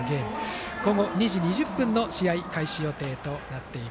午後２時２０分試合開始予定です。